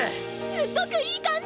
すっごくいい感じ！